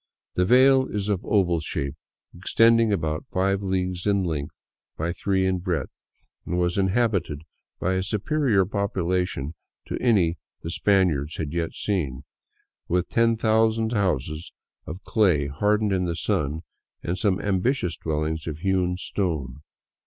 The vale is of oval shape, extending about five leagues in length by three in breadth, and was inhabited by a superior popula tion to any the Spaniards had yet seen; with ten thousand houses of clay hardened in the sun and some ambitious dwellings of hewn stone."